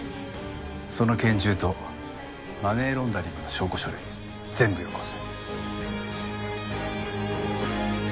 その拳銃とマネーロンダリングの証拠書類全部よこせ。